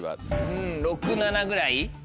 うん６７ぐらい？